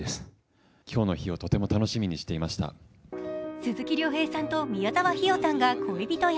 鈴木亮平さんと宮沢氷魚さんが恋人役。